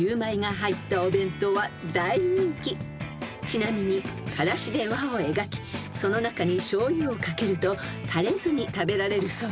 ［ちなみにからしで輪を描きその中にしょうゆをかけると垂れずに食べられるそうです］